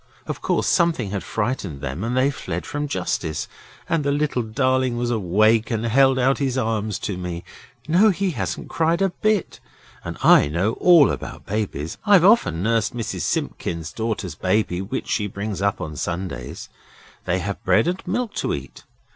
Of course something had frightened them and they fled from justice. And the little darling was awake and held out his arms to me. No, he hasn't cried a bit, and I know all about babies; I've often nursed Mrs Simpkins's daughter's baby when she brings it up on Sundays. They have bread and milk to eat.